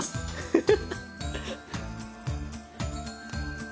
フフフッ。